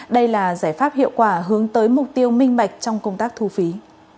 đây là giải pháp hiệu quả hướng tới mục tiêu minh bạch trong công tác thu phí